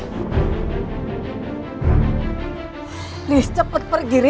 haris cepet pergi haris